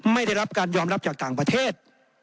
ไม่ได้รับการยอมรับจากต่างประเทศ